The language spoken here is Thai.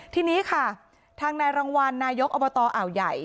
ทีนี้ค่ะทางนายรางวัลนายกอบตอ่าวใหญ่